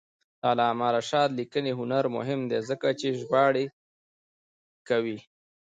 د علامه رشاد لیکنی هنر مهم دی ځکه چې ژباړې کوي.